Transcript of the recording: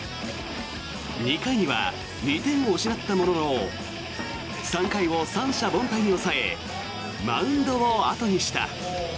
２回には２点を失ったものの３回を三者凡退で抑えマウンドを後にした。